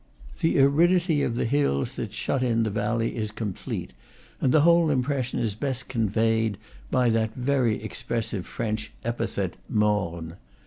The aridity of the hills that shut in the valley is complete, and the whole impression is best conveyed by that very expressive French epithet morne.